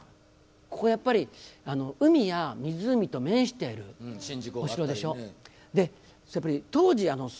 ここやっぱり海や湖と面しているお城でしょ？